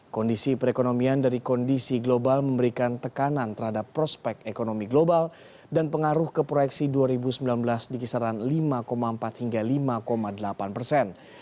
kondisi perekonomian dari kondisi global memberikan tekanan terhadap prospek ekonomi global dan pengaruh ke proyeksi dua ribu sembilan belas di kisaran lima empat hingga lima delapan persen